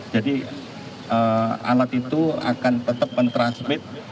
jadi alat itu akan tetap mentransmit